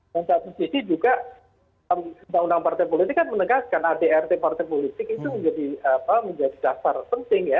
yang satu sisi juga undang undang partai politik kan menegaskan adrt partai politik itu menjadi dasar penting ya